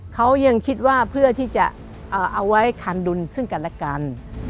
เขายังคิดว่าเพื่อที่จะเอาไว้คานดุลซึ่งกันและกัน